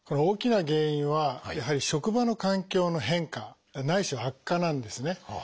大きな原因はやはり職場環境の変化ないしは悪化なんですね。